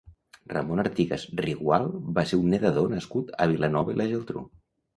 Ramon Artigas Rigual va ser un nedador nascut a Vilanova i la Geltrú.